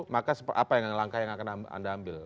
maka apa langkah yang akan anda ambil